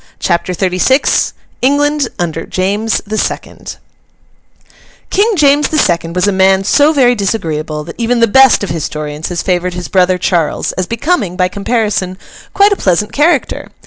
CHAPTER XXXVI ENGLAND UNDER JAMES THE SECOND King James the Second was a man so very disagreeable, that even the best of historians has favoured his brother Charles, as becoming, by comparison, quite a pleasant character.